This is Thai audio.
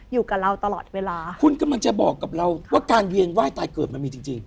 อยู่กับเราตลอดเวลาคุณกำลังจะบอกกับเราว่าการเวียนไหว้ตายเกิดมันมีจริงจริง